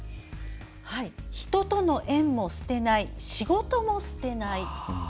人との縁も捨てない仕事も捨てない。